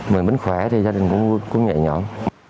mình mới khỏe thì gia đình cũng nhẹ nhõn